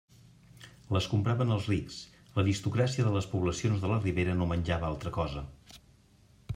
Les compraven els rics; l'aristocràcia de les poblacions de la Ribera no menjava altra cosa.